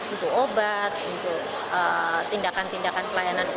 untuk obat untuk tindakan tindakan pelayanan